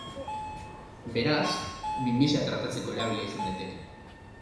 Beraz, minbizia tratatzeko erabilia izan daiteke.